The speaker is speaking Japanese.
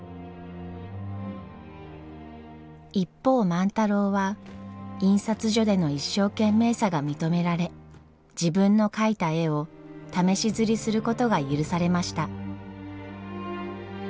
一方万太郎は印刷所での一生懸命さが認められ自分の描いた絵を試し刷りすることが許されました。